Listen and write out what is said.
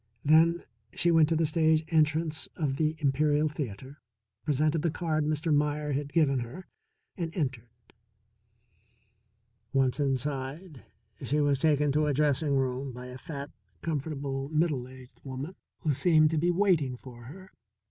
Then she went to the stage entrance of the Imperial Theatre, presented the card Mr. Meier had given her, and entered. Once inside she was taken to a dressing room by a fat, comfortable, middle aged woman who seemed to be waiting for her.